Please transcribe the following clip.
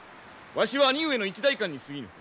わしは兄上の一代官にすぎぬ。